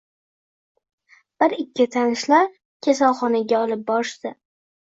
Bir ikki tanishlar kasalxonaga olib borishdi.